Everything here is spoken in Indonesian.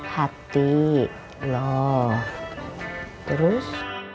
hati loh terus